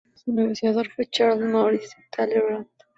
Su negociador fue Charles Maurice de Talleyrand.